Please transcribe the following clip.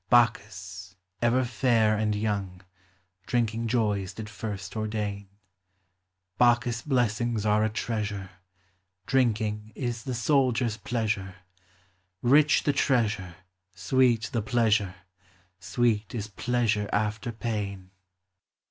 Bacchus, ever fair and young, Drinking joys did first ordain ; Bacchus' blessings are a treasure, Drinking is the soldier's pleasure ; Rich the treasure, Sweet the pleasure, Sweet is pleasure after pain.